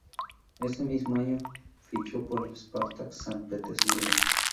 Ese mismo año fichó por el Spartak San Petersburgo.